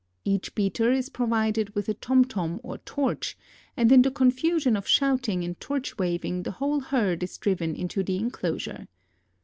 Each beater is provided with a tom tom or torch, and in the confusion of shouting and torch waving the whole herd is driven into the enclosure.